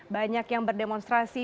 banyak yang berdemonstrasi